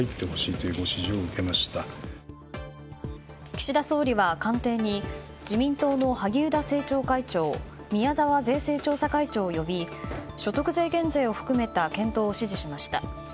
岸田総理は、官邸に自民党の萩生田政調会長宮沢税制調査会長を呼び所得税減税を含めた検討を指示しました。